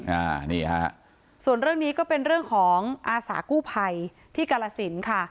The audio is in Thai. อ่านี่ฮะส่วนเรื่องนี้ก็เป็นเรื่องของอาสากู้ภัยที่กาลสินค่ะ